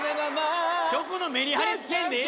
曲のメリハリつけんでええねん！